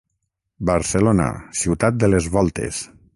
Barcelona, ciutat de les voltes.